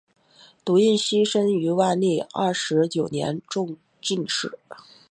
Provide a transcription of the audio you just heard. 堵胤锡生于万历二十九年中进士。